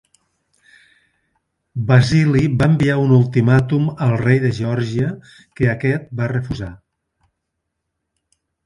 Basili va enviar un ultimàtum al rei de Geòrgia que aquest va refusar.